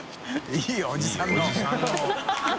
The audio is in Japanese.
いいおじさんの